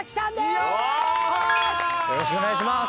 よろしくお願いします。